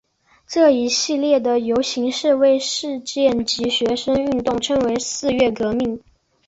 这一系列的游行示威事件及学生运动称为四月革命。